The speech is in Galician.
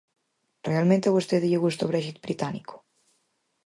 ¿Realmente a vostede lle gusta o Brexit británico?